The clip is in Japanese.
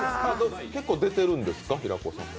結構出てるんですか、平子さんは。